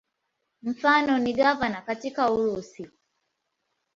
Mfano ni gavana katika Urusi.